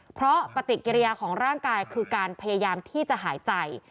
เพราะปฏิกิริยาของร่างกายคือการพยายามที่จะหายใจ